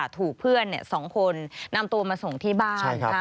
ถูกเพื่อน๒คนนำตัวมาส่งที่บ้าน